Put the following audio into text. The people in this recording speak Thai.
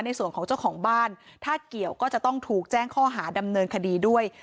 ในส่วนของเจ้าของบ้านถ้าเกี่ยวก็จะต้องถูกแจ้งข้อหาดำเนินคดีด้วย